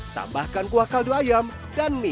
tambahkan kuah kaldu ayam dan mie